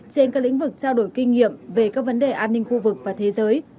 trên các lĩnh vực trao đổi kinh nghiệm về các vấn đề an ninh khu vực và thế giới